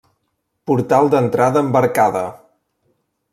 Portal d'entrada amb arcada.